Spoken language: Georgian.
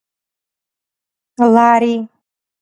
ლარი